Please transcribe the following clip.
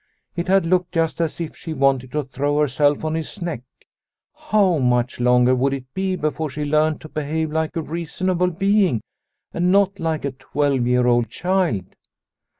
It had looked just as if she wanted to throw herself on his neck. How much longer would it be before she learnt to behave like a reasonable being and not like a twelve year old child